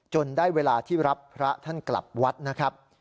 ได้เวลาที่รับพระท่านกลับวัดนะครับ